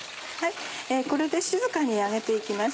これで静かに揚げて行きます。